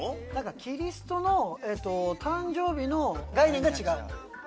キリストの誕生日の概念が違う。